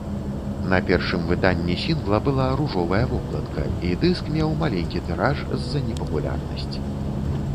На першым выданні сінгла была ружовая вокладка і дыск меў маленькі тыраж, з-за непапулярнасці.